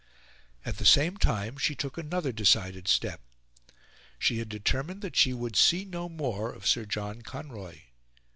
At the same time she took another decided step. She had determined that she would see no more of Sir John Conroy.